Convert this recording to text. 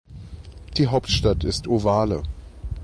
Die Hauptstadt ist Ovalle.